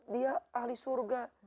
dia ahli surga